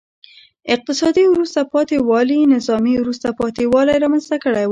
اقتصادي وروسته پاتې والي نظامي وروسته پاتې والی رامنځته کړی و.